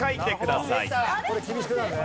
これ厳しくなるね。